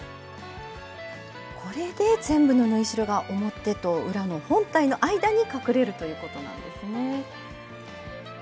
これで全部の縫い代が表と裏の本体の間に隠れるということなんですね。